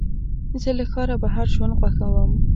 زه له ښاره بهر ژوند خوښوم.